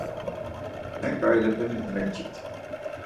En ǩailepenai mekçit.